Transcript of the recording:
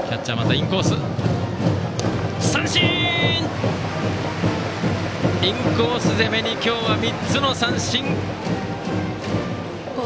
インコース攻めに今日は３つの三振。